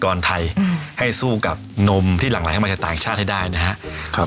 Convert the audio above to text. ไทยให้สู้กับนมที่หลั่งไหลเข้ามาจากต่างชาติให้ได้นะครับ